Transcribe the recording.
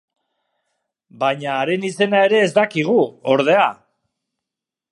Baina haren izena ere ez dakigu, ordea.